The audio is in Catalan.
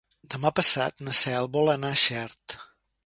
Demà passat na Cel vol anar a Xert.